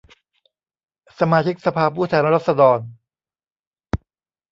สมาชิกสภาผู้แทนราษฏร